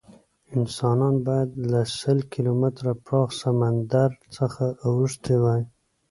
انسانان باید له سل کیلومتره پراخ سمندر څخه اوښتي وی.